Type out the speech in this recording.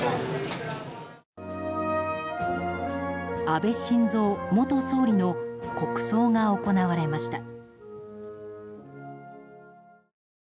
安倍晋三元総理の国葬が行われました。